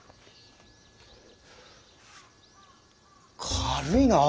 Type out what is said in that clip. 軽いなぁ。